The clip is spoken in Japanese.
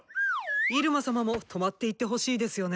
入間様も泊まっていってほしいですよね？